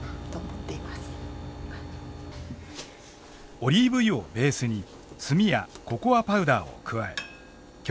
オリーブ油をベースに炭やココアパウダーを加え京